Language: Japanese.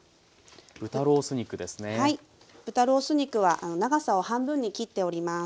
豚ロース肉は長さを半分に切っております。